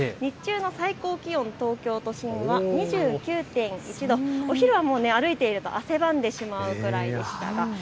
日中の最高気温、東京都心は２９．１度、お昼は歩いていると汗ばんでしまうくらいでした。